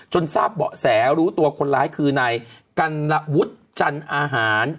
จนทราบเบาะแสรู้ตัวคนร้ายคือในกรรณวุฒิจันทร์อาหาร